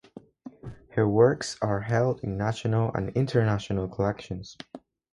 Her works are held in national and international collections.